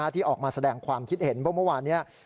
ที่ออกมาแสดงความคิดเห็นว่าเมื่อวานนี้